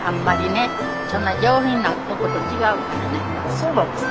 そうなんですか？